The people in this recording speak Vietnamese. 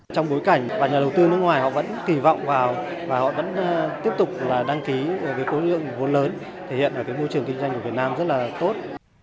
trong bối cảnh và nhà đầu tư nước ngoài họ vẫn kỳ vọng vào và họ vẫn tiếp tục đăng ký với khối lượng vốn lớn thể hiện ở môi trường kinh doanh của việt nam rất là tốt